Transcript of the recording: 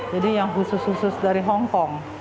jadi yang khusus khusus dari hong kong